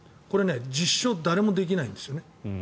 これ、実証は誰もできないんですよね。